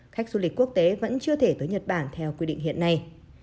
khách du lịch quốc tế vẫn chưa thể tới nhật bản theo quy định hiện nay